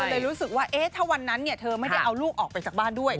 เลยรู้สึกว่าถ้าวันนั้นเธอไม่ได้เอาลูกออกไปจากบ้านด้วย